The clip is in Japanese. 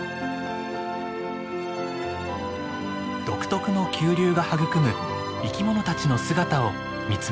独特の急流が育む生き物たちの姿を見つめます。